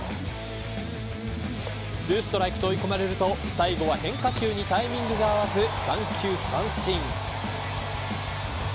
ツーストライクと追い込まれると最後は変化球にタイミングが合わず三球三振。